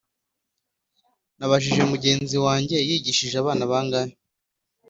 nabajije mugenzi wanjye yigishije abana bangahe